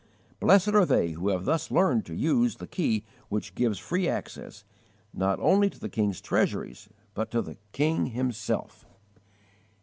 Blessed are they who have thus learned to use the key which gives free access, not only to the King's Treasuries, but to the King Himself!